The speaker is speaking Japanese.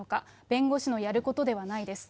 弁護士のやることではないです。